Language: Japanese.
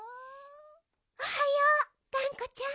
おはようがんこちゃん。